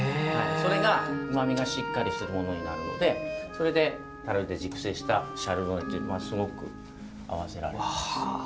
それがうまみがしっかりするものになるのでそれで樽で熟成したシャルドネってすごく合わせられるんです。